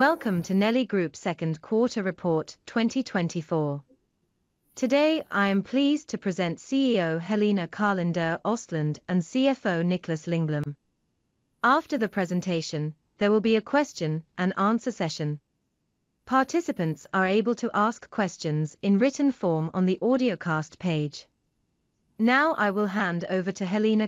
Welcome to Nelly Group second quarter report 2024. Today, I am pleased to present CEO Helena Karlinder-Östlundh and CFO Niklas Lingblom. After the presentation, there will be a question and answer session. Participants are able to ask questions in written form on the audiocast page. Now, I will hand over to Helena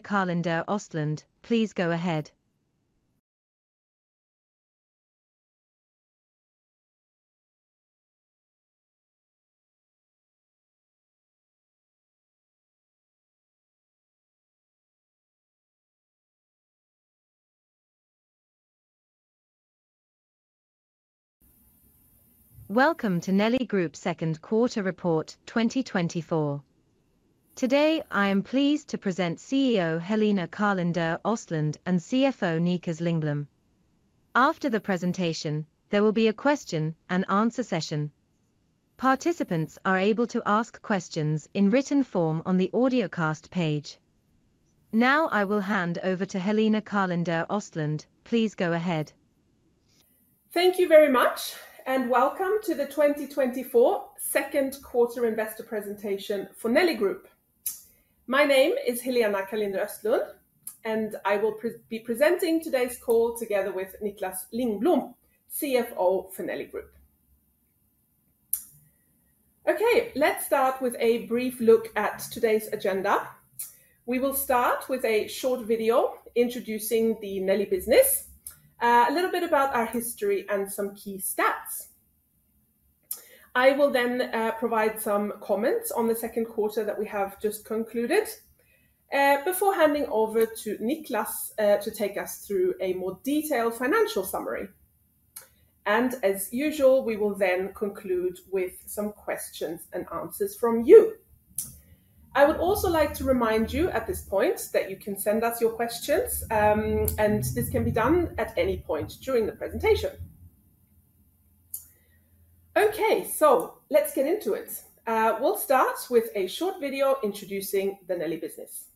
Karlinder-Östlundh. Please go ahead. Thank you very much, and welcome to the 2024 second quarter investor presentation for Nelly Group. My name is Helena Karlinder-Östlundh, and I will be presenting today's call together with Niklas Lingblom, CFO for Nelly Group. Okay, let's start with a brief look at today's agenda. We will start with a short video introducing the Nelly business, a little bit about our history and some key stats. I will then provide some comments on the second quarter that we have just concluded, before handing over to Niklas to take us through a more detailed financial summary. And as usual, we will then conclude with some questions and answers from you. I would also like to remind you at this point that you can send us your questions, and this can be done at any point during the presentation. Okay, so let's get into it. We'll start with a short video introducing the Nelly business.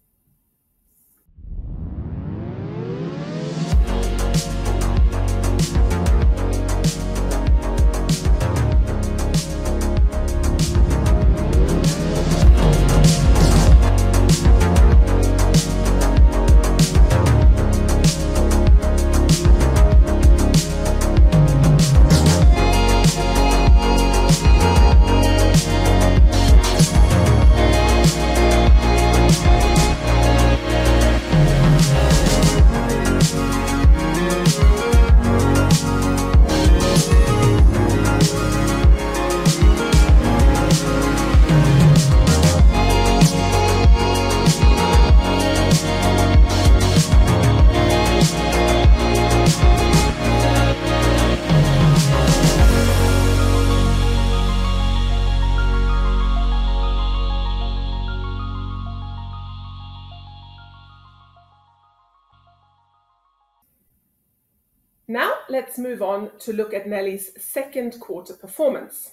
Now, let's move on to look at Nelly's second quarter performance.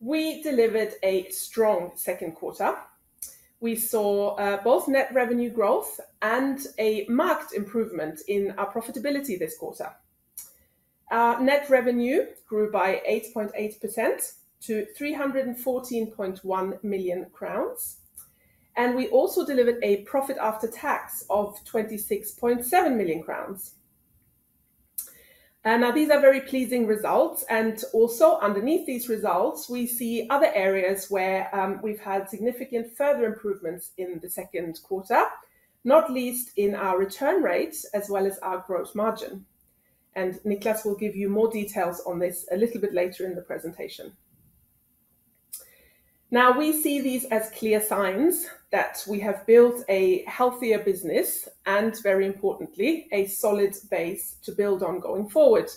We delivered a strong second quarter. We saw both net revenue growth and a marked improvement in our profitability this quarter. Our net revenue grew by 8.8% to 314.1 million crowns, and we also delivered a profit after tax of 26.7 million crowns. And now these are very pleasing results, and also underneath these results, we see other areas where we've had significant further improvements in the second quarter, not least in our return rates as well as our gross margin, and Niklas will give you more details on this a little bit later in the presentation. Now, we see these as clear signs that we have built a healthier business and very importantly, a solid base to build on going forward.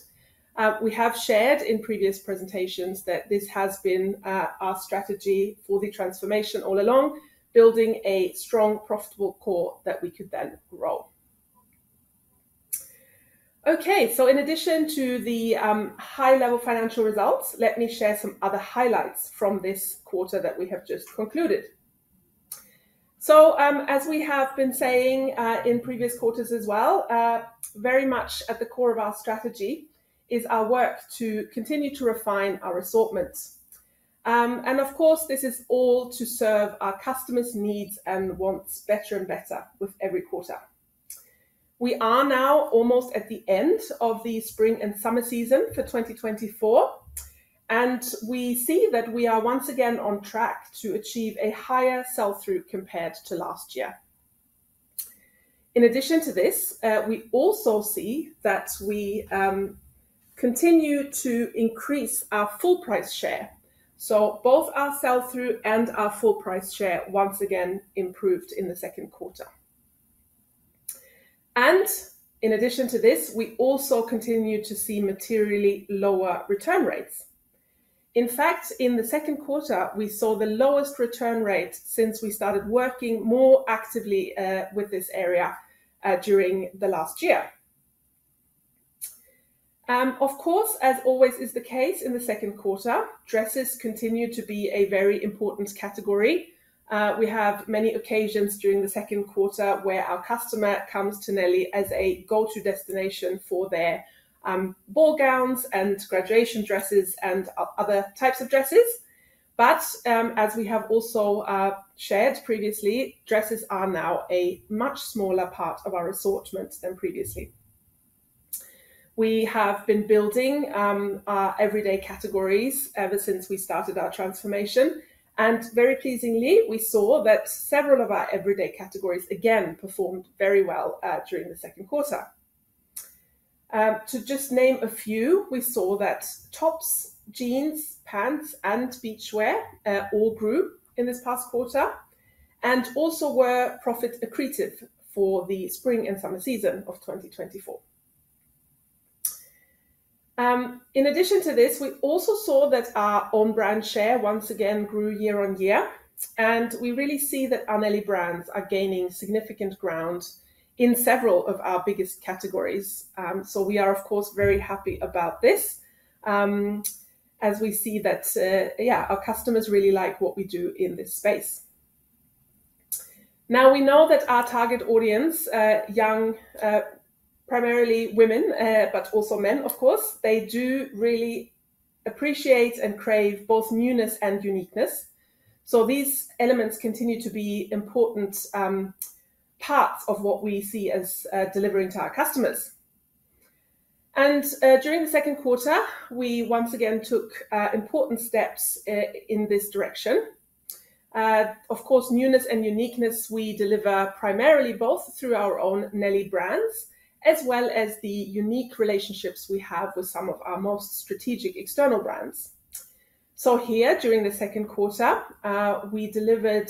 We have shared in previous presentations that this has been, our strategy for the transformation all along, building a strong, profitable core that we could then grow. Okay, so in addition to the, high-level financial results, let me share some other highlights from this quarter that we have just concluded. So, as we have been saying, in previous quarters as well, very much at the core of our strategy is our work to continue to refine our assortments. And of course, this is all to serve our customers' needs and wants better and better with every quarter. We are now almost at the end of the spring and summer season for 2024, and we see that we are once again on track to achieve a higher sell-through compared to last year. In addition to this, we also see that we continue to increase our full price share. Both our sell-through and our full price share once again improved in the second quarter. In addition to this, we also continue to see materially lower return rates. In fact, in the second quarter, we saw the lowest return rate since we started working more actively with this area during the last year. Of course, as always is the case in the second quarter, dresses continue to be a very important category.... We have many occasions during the second quarter where our customer comes to Nelly as a go-to destination for their ball gowns and graduation dresses and other types of dresses. But as we have also shared previously, dresses are now a much smaller part of our assortment than previously. We have been building our everyday categories ever since we started our transformation, and very pleasingly, we saw that several of our everyday categories, again, performed very well during the second quarter. To just name a few, we saw that tops, jeans, pants, and beachwear all grew in this past quarter, and also were profit accretive for the spring and summer season of 2024. In addition to this, we also saw that our own brand share once again grew year on year, and we really see that our Nelly brands are gaining significant ground in several of our biggest categories. So we are, of course, very happy about this, as we see that our customers really like what we do in this space. Now, we know that our target audience, young, primarily women, but also men, of course, they do really appreciate and crave both newness and uniqueness, so these elements continue to be important parts of what we see as delivering to our customers. During the second quarter, we once again took important steps in this direction. Of course, newness and uniqueness, we deliver primarily both through our own Nelly brands, as well as the unique relationships we have with some of our most strategic external brands. So here, during the second quarter, we delivered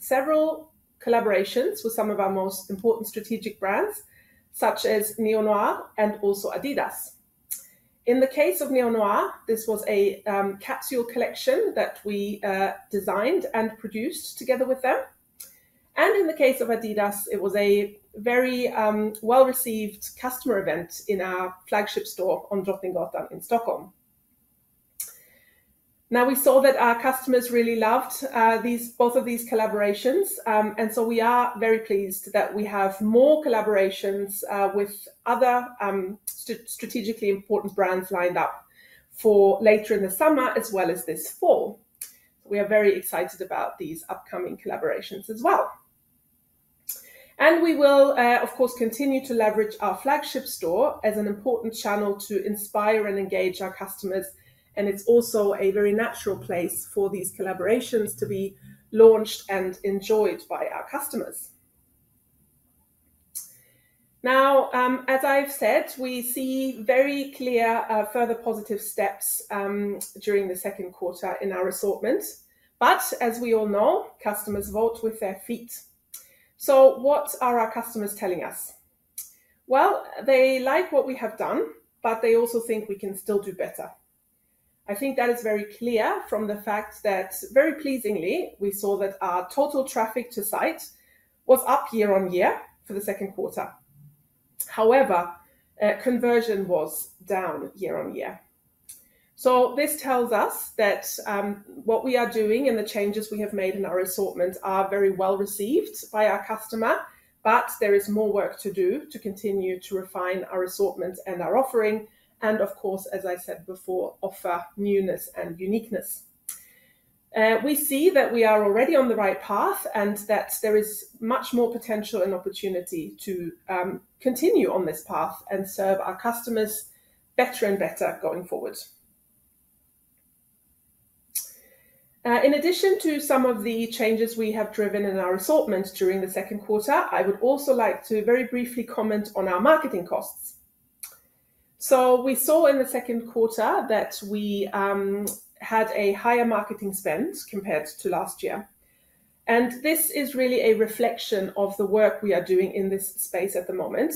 several collaborations with some of our most important strategic brands, such as Neo Noir and also Adidas. In the case of Neo Noir, this was a capsule collection that we designed and produced together with them. And in the case of Adidas, it was a very well-received customer event in our flagship store on Drottninggatan in Stockholm. Now, we saw that our customers really loved these, both of these collaborations, and so we are very pleased that we have more collaborations with other strategically important brands lined up for later in the summer as well as this fall. We are very excited about these upcoming collaborations as well. We will, of course, continue to leverage our flagship store as an important channel to inspire and engage our customers, and it's also a very natural place for these collaborations to be launched and enjoyed by our customers. Now, as I've said, we see very clear further positive steps during the second quarter in our assortment, but as we all know, customers vote with their feet. So what are our customers telling us? Well, they like what we have done, but they also think we can still do better. I think that is very clear from the fact that very pleasingly, we saw that our total traffic to site was up year-on-year for the second quarter. However, conversion was down year-on-year. This tells us that what we are doing and the changes we have made in our assortment are very well received by our customer, but there is more work to do to continue to refine our assortment and our offering, and of course, as I said before, offer newness and uniqueness. We see that we are already on the right path, and that there is much more potential and opportunity to continue on this path and serve our customers better and better going forward. In addition to some of the changes we have driven in our assortment during the second quarter, I would also like to very briefly comment on our marketing costs. So we saw in the second quarter that we had a higher marketing spend compared to last year, and this is really a reflection of the work we are doing in this space at the moment.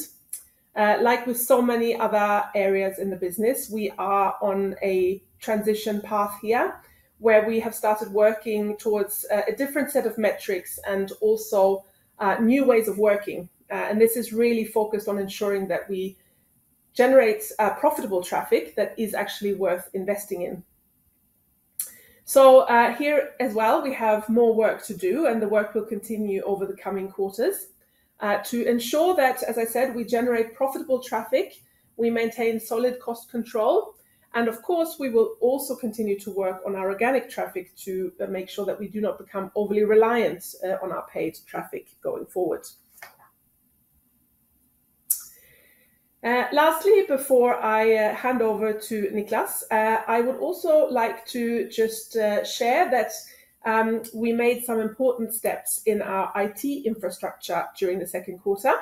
Like with so many other areas in the business, we are on a transition path here, where we have started working towards a different set of metrics and also new ways of working. And this is really focused on ensuring that we generate profitable traffic that is actually worth investing in. So here as well, we have more work to do, and the work will continue over the coming quarters. To ensure that, as I said, we generate profitable traffic, we maintain solid cost control, and of course, we will also continue to work on our organic traffic to make sure that we do not become overly reliant on our paid traffic going forward. Lastly, before I hand over to Niklas, I would also like to just share that we made some important steps in our IT infrastructure during the second quarter.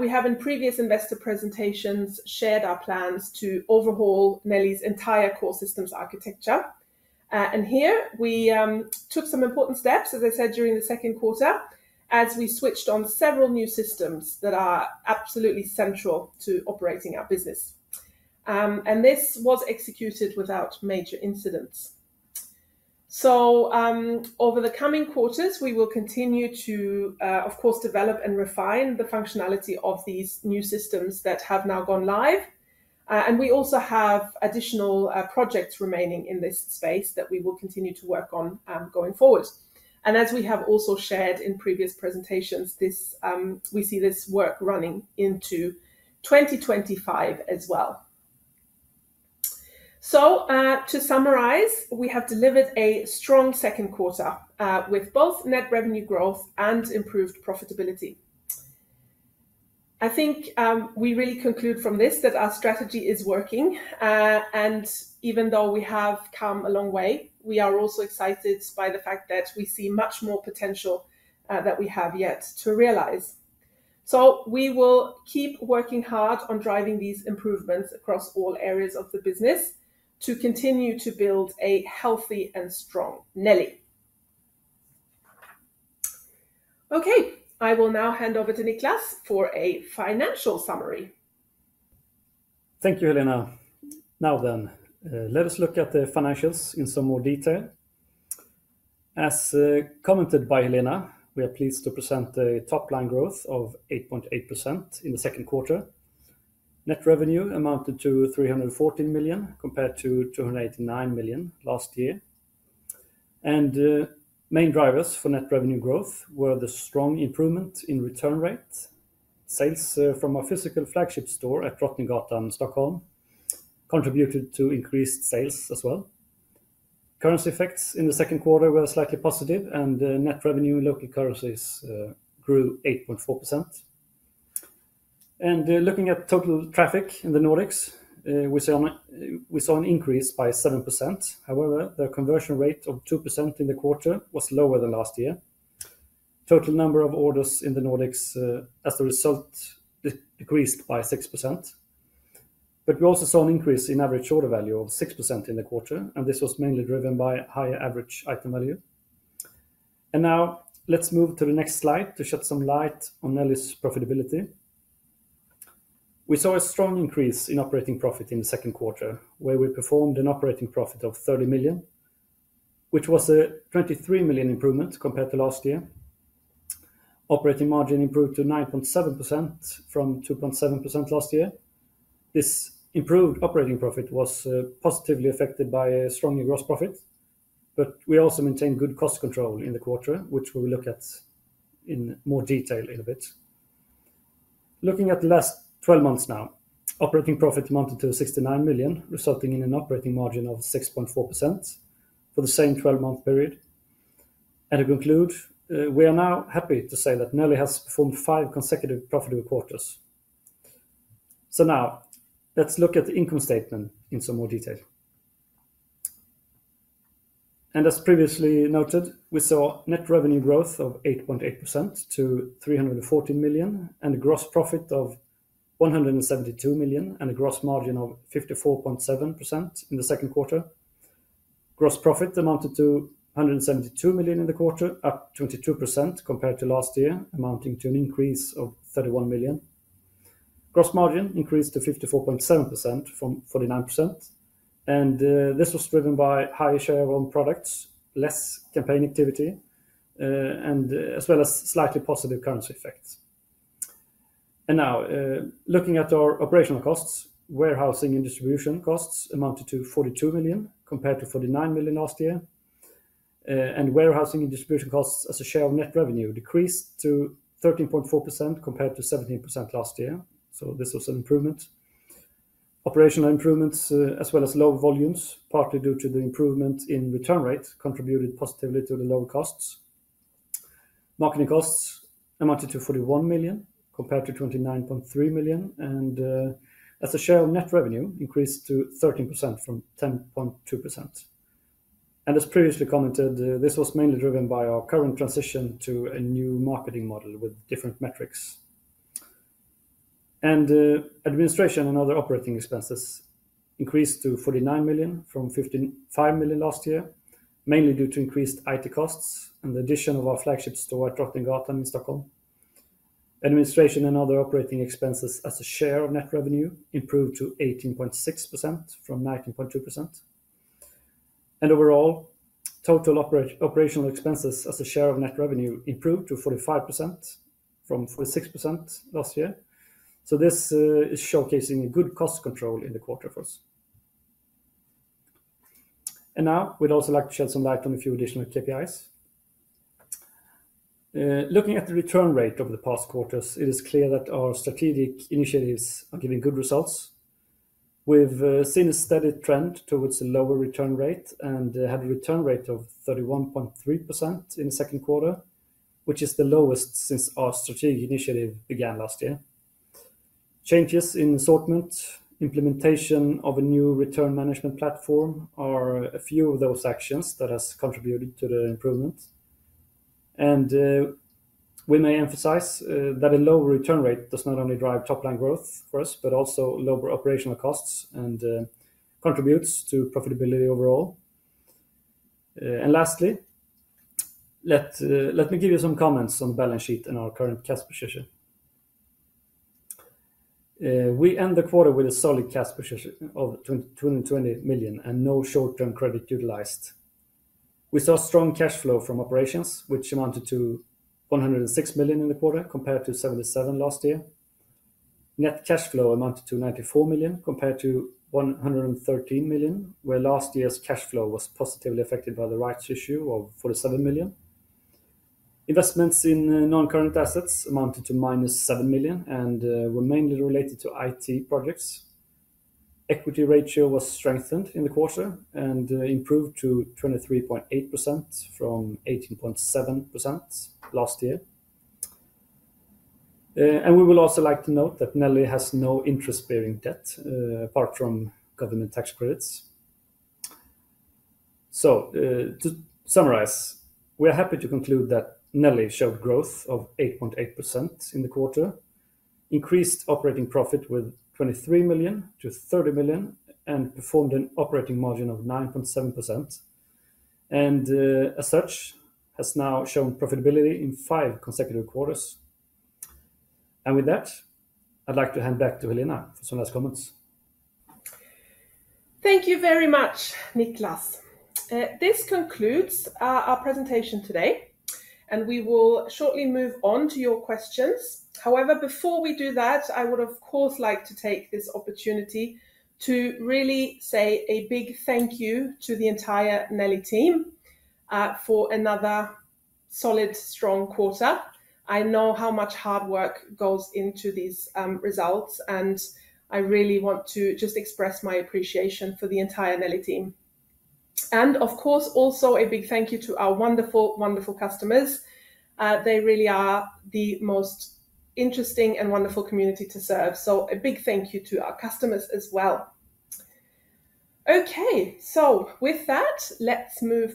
We have in previous investor presentations shared our plans to overhaul Nelly's entire core systems architecture. And here we took some important steps, as I said, during the second quarter, as we switched on several new systems that are absolutely central to operating our business. And this was executed without major incidents. So, over the coming quarters, we will continue to, of course, develop and refine the functionality of these new systems that have now gone live. And we also have additional projects remaining in this space that we will continue to work on, going forward. And as we have also shared in previous presentations, this, we see this work running into 2025 as well. So, to summarize, we have delivered a strong second quarter, with both net revenue growth and improved profitability. I think, we really conclude from this that our strategy is working, and even though we have come a long way, we are also excited by the fact that we see much more potential that we have yet to realize. We will keep working hard on driving these improvements across all areas of the business to continue to build a healthy and strong Nelly. Okay, I will now hand over to Niklas for a financial summary. Thank you, Helena. Now then, let us look at the financials in some more detail. As commented by Helena, we are pleased to present a top-line growth of 8.8% in the second quarter. Net revenue amounted to 314 million, compared to 289 million last year. And main drivers for net revenue growth were the strong improvement in return rate. Sales from our physical flagship store at Drottninggatan, Stockholm, contributed to increased sales as well. Currency effects in the second quarter were slightly positive, and net revenue in local currencies grew 8.4%. And looking at total traffic in the Nordics, we saw an increase by 7%. However, the conversion rate of 2% in the quarter was lower than last year. Total number of orders in the Nordics, as a result, decreased by 6%. But we also saw an increase in average order value of 6% in the quarter, and this was mainly driven by higher average item value. And now, let's move to the next slide to shed some light on Nelly's profitability. We saw a strong increase in operating profit in the second quarter, where we performed an operating profit of 30 million, which was a 23 million improvement compared to last year. Operating margin improved to 9.7% from 2.7% last year. This improved operating profit was positively affected by a stronger gross profit, but we also maintained good cost control in the quarter, which we will look at in more detail in a bit. Looking at the last twelve months now, operating profit amounted to 69 million, resulting in an operating margin of 6.4% for the same twelve-month period. To conclude, we are now happy to say that Nelly has performed five consecutive profitable quarters. Now, let's look at the income statement in some more detail. As previously noted, we saw net revenue growth of 8.8% to 314 million, and a gross profit of 172 million, and a gross margin of 54.7% in the second quarter. Gross profit amounted to 172 million in the quarter, up 22% compared to last year, amounting to an increase of 31 million. Gross margin increased to 54.7% from 49%, and this was driven by high share of own products, less campaign activity, and as well as slightly positive currency effects. Now, looking at our operational costs, warehousing and distribution costs amounted to 42 million, compared to 49 million last year. Warehousing and distribution costs as a share of net revenue decreased to 13.4%, compared to 17% last year. This was an improvement. Operational improvements, as well as lower volumes, partly due to the improvement in return rate, contributed positively to the lower costs. Marketing costs amounted to 41 million, compared to 29.3 million, and, as a share of net revenue, increased to 13% from 10.2%. As previously commented, this was mainly driven by our current transition to a new marketing model with different metrics. Administration and other operating expenses increased to 49 million from 55 million last year, mainly due to increased IT costs and the addition of our flagship store at Drottninggatan in Stockholm. Administration and other operating expenses as a share of net revenue improved to 18.6% from 19.2%. Overall, total operational expenses as a share of net revenue improved to 45% from 46% last year. So this is showcasing a good cost control in the quarter for us. And now, we'd also like to shed some light on a few additional KPIs. Looking at the return rate over the past quarters, it is clear that our strategic initiatives are giving good results. We've seen a steady trend towards a lower return rate and had a return rate of 31.3% in the second quarter, which is the lowest since our strategic initiative began last year. Changes in assortment, implementation of a new return management platform are a few of those actions that has contributed to the improvement. And we may emphasize that a lower return rate does not only drive top-line growth for us, but also lower operational costs and contributes to profitability overall. And lastly, let me give you some comments on balance sheet and our current cash position. We end the quarter with a solid cash position of 20 million and no short-term credit utilized. We saw strong cash flow from operations, which amounted to 106 million in the quarter, compared to 77 million last year. Net cash flow amounted to 94 million, compared to 113 million, where last year's cash flow was positively affected by the rights issue of 47 million. Investments in non-current assets amounted to -7 million, and were mainly related to IT projects. Equity ratio was strengthened in the quarter and improved to 23.8% from 18.7% last year. And we will also like to note that Nelly has no interest-bearing debt apart from government tax credits. So, to summarize, we are happy to conclude that Nelly showed growth of 8.8% in the quarter, increased operating profit with 23 million to 30 million, and performed an operating margin of 9.7%, and as such, has now shown profitability in five consecutive quarters. With that, I'd like to hand back to Helena for some last comments. Thank you very much, Niklas. This concludes our presentation today, and we will shortly move on to your questions. However, before we do that, I would, of course, like to take this opportunity to really say a big thank you to the entire Nelly team for another solid, strong quarter. I know how much hard work goes into these results, and I really want to just express my appreciation for the entire Nelly team. Of course, also a big thank you to our wonderful, wonderful customers. They really are the most interesting and wonderful community to serve, so a big thank you to our customers as well. Okay, so with that, let's move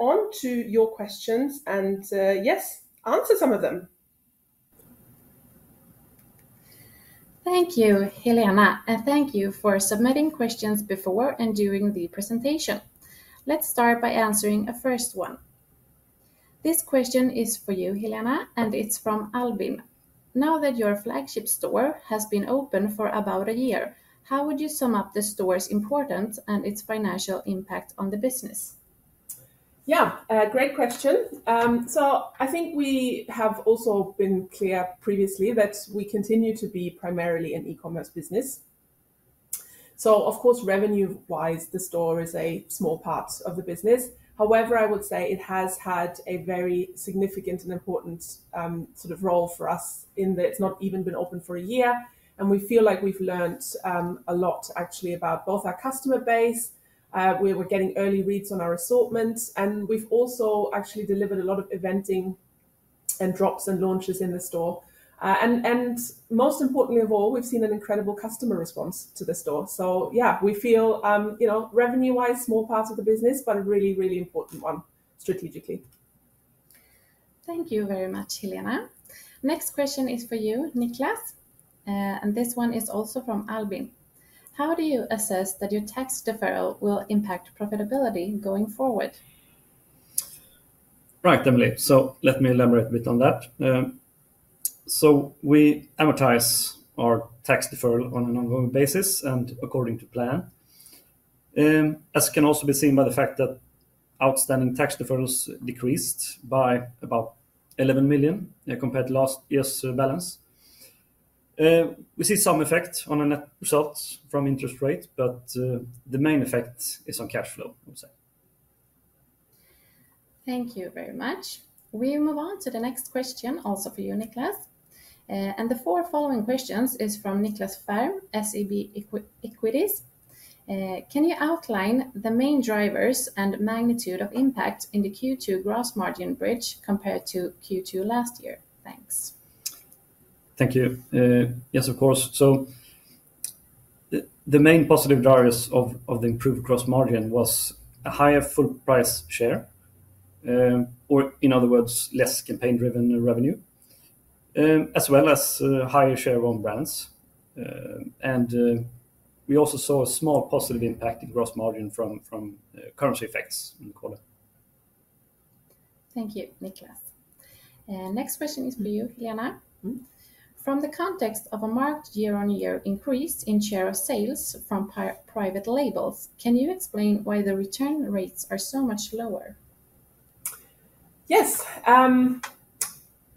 on to your questions, and yes, answer some of them. Thank you, Helena, and thank you for submitting questions before and during the presentation. Let's start by answering a first one. This question is for you, Helena, and it's from Albin. Now that your flagship store has been open for about a year, how would you sum up the store's importance and its financial impact on the business? Yeah, a great question. So I think we have also been clear previously that we continue to be primarily an e-commerce business. So of course, revenue-wise, the store is a small part of the business. However, I would say it has had a very significant and important sort of role for us in that it's not even been open for a year, and we feel like we've learned a lot actually about both our customer base, we're getting early reads on our assortments, and we've also actually delivered a lot of eventing and drops, and launches in the store. And most importantly of all, we've seen an incredible customer response to the store. So yeah, we feel, you know, revenue-wise, small part of the business, but a really, really important one strategically. Thank you very much, Helena. Next question is for you, Niklas, and this one is also from Albin. How do you assess that your tax deferral will impact profitability going forward? Right, Emily, so let me elaborate a bit on that. So we amortize our tax deferral on an ongoing basis and according to plan. As can also be seen by the fact that outstanding tax deferrals decreased by about 11 million compared to last year's balance. We see some effect on our net results from interest rate, but the main effect is on cash flow, I would say. Thank you very much. We move on to the next question, also for you, Niklas. And the four following questions is from Nicklas Fhärm, SEB Equities. Can you outline the main drivers and magnitude of impact in the Q2 gross margin bridge compared to Q2 last year? Thanks. Thank you. Yes, of course. So, the main positive drivers of the improved gross margin was a higher full price share, or in other words, less campaign-driven revenue, as well as higher share of own brands. And we also saw a small positive impact in gross margin from currency effects in the quarter. Thank you, Niklas. Next question is for you, Helena. Mm-hmm. From the context of a marked year-on-year increase in share of sales from private labels, can you explain why the return rates are so much lower? Yes,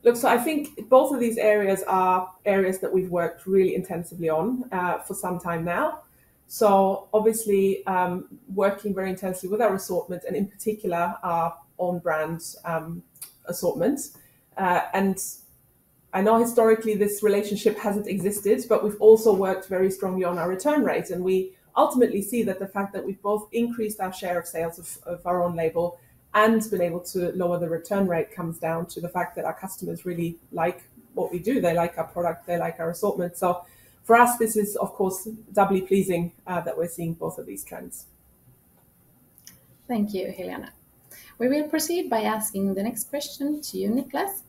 look, so I think both of these areas are areas that we've worked really intensively on for some time now. So obviously, working very intensely with our assortment and in particular, our own brands assortment. And I know historically this relationship hasn't existed, but we've also worked very strongly on our return rate, and we ultimately see that the fact that we've both increased our share of sales of, of our own label and been able to lower the return rate comes down to the fact that our customers really like what we do. They like our product, they like our assortment. So for us, this is, of course, doubly pleasing that we're seeing both of these trends. Thank you, Helena. We will proceed by asking the next question to you, Niklas.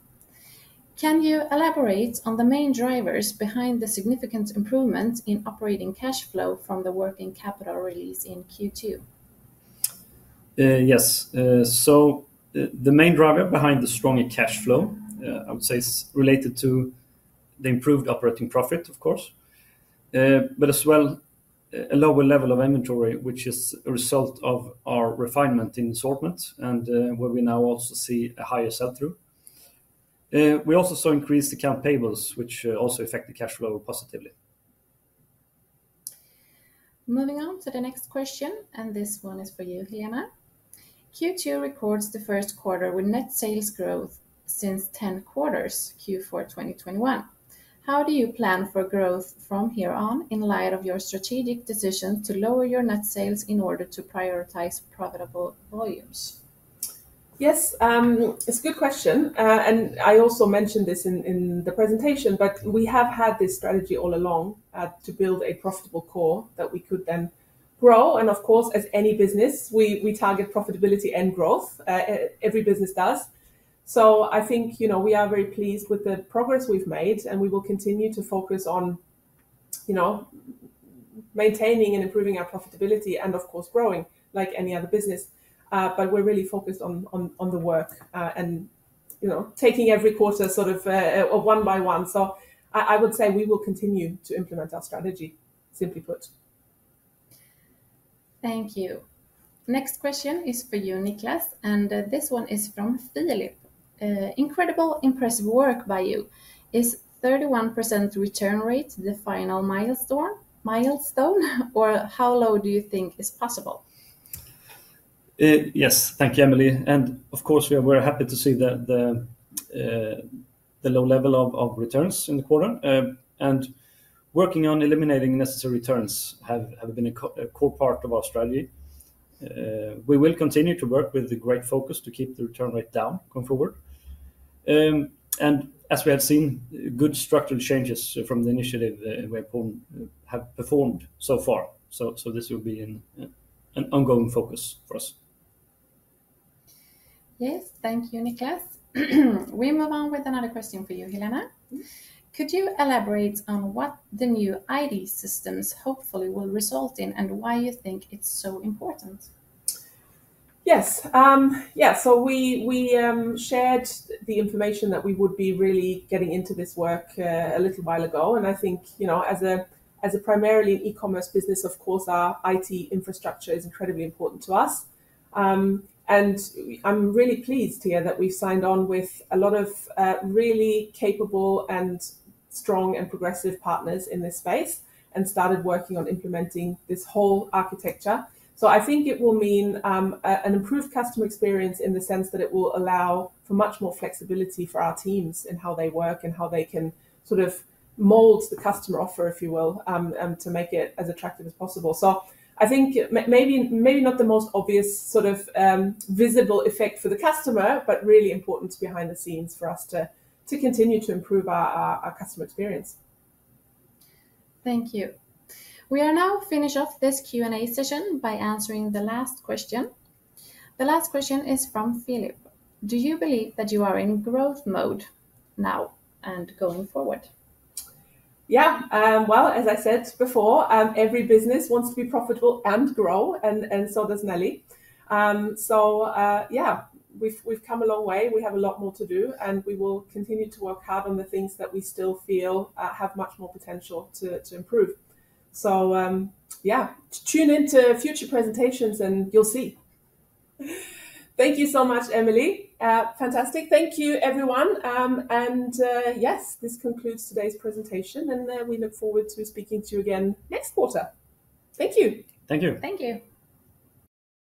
Can you elaborate on the main drivers behind the significant improvement in operating cash flow from the working capital release in Q2? Yes. So the main driver behind the stronger cash flow, I would say is related to the improved operating profit, of course, but as well, a lower level of inventory, which is a result of our refinement in assortments and, where we now also see a higher sell-through. We also saw increased account payables, which also affect the cash flow positively. Moving on to the next question, and this one is for you, Helena. Q2 records the first quarter with net sales growth since 10 quarters, Q4 2021. How do you plan for growth from here on in light of your strategic decision to lower your net sales in order to prioritize profitable volumes? Yes, it's a good question. And I also mentioned this in the presentation, but we have had this strategy all along to build a profitable core that we could then grow, and of course, as any business, we target profitability and growth, every business does. So I think, you know, we are very pleased with the progress we've made, and we will continue to focus on, you know, maintaining and improving our profitability, and of course, growing like any other business. But we're really focused on the work, and, you know, taking every quarter sort of one by one. So I would say we will continue to implement our strategy, simply put. Thank you. Next question is for you, Niklas, and, this one is from Philip. Incredible, impressive work by you. Is 31% return rate the final milestone, or how low do you think is possible? Yes, thank you, Emily. And of course, we are very happy to see the low level of returns in the quarter. And working on eliminating unnecessary returns have been a core part of our strategy. We will continue to work with the great focus to keep the return rate down going forward. And as we have seen, good structural changes from the initiative, we have performed so far. So this will be an ongoing focus for us. Yes, thank you, Niklas. We move on with another question for you, Helena. Mm-hmm. Could you elaborate on what the new IT systems hopefully will result in, and why you think it's so important? Yes. Yeah, so we shared the information that we would be really getting into this work a little while ago, and I think, you know, as a primarily e-commerce business, of course, our IT infrastructure is incredibly important to us. And I'm really pleased to hear that we've signed on with a lot of really capable and strong and progressive partners in this space, and started working on implementing this whole architecture. So I think it will mean an improved customer experience in the sense that it will allow for much more flexibility for our teams in how they work and how they can sort of mold the customer offer, if you will, to make it as attractive as possible. So I think maybe, maybe not the most obvious sort of visible effect for the customer, but really important behind the scenes for us to continue to improve our customer experience. Thank you. We are now finishing off this Q&A session by answering the last question. The last question is from Philip: Do you believe that you are in growth mode now and going forward? Yeah, well, as I said before, every business wants to be profitable and grow, and, and so does Nelly. So, yeah, we've come a long way. We have a lot more to do, and we will continue to work hard on the things that we still feel have much more potential to improve. So, yeah, tune in to future presentations, and you'll see. Thank you so much, Emily. Fantastic. Thank you, everyone, and, yes, this concludes today's presentation, and, we look forward to speaking to you again next quarter. Thank you! Thank you. Thank you.